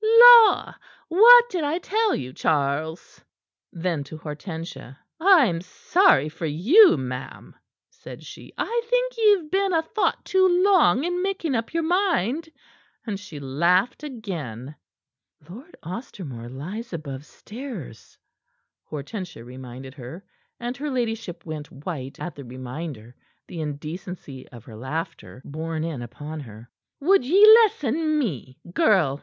"La! What did I tell you, Charles?" Then to Hortensia: "I'm sorry for you, ma'am," said she. "I think ye've been a thought too long in making up your mind." And she laughed again. "Lord Ostermore lies above stairs," Hortensia reminded her, and her ladyship went white at the reminder, the indecency of her laughter borne in upon her. "Would ye lesson me, girl?"